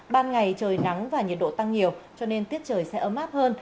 ban ngày trời nắng và nhiệt độ tăng nhiều cho nên tiết trời sẽ ấm áp hơn